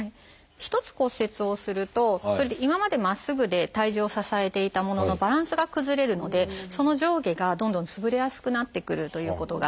一つ骨折をすると今までまっすぐで体重を支えていたもののバランスが崩れるのでその上下がどんどんつぶれやすくなってくるということがあって。